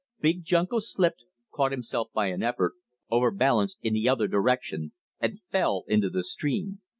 Big Junko slipped, caught himself by an effort, overbalanced in the other direction, and fell into the stream.